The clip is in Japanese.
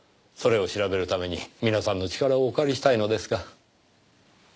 それを調べるために皆さんの力をお借りしたいのですが。